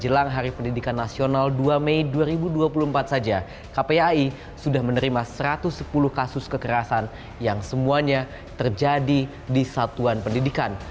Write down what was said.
jelang hari pendidikan nasional dua mei dua ribu dua puluh empat saja kpai sudah menerima satu ratus sepuluh kasus kekerasan yang semuanya terjadi di satuan pendidikan